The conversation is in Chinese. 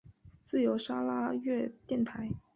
自由砂拉越电台。